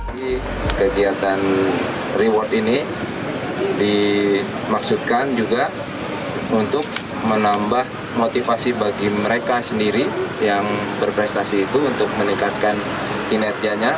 ini kegiatan reward ini dimaksudkan juga untuk menambah motivasi bagi mereka sendiri yang berprestasi itu untuk meningkatkan kinerjanya